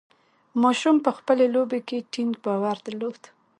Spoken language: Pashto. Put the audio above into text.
ماشوم په خپلې لوبې کې ټینګ باور درلود.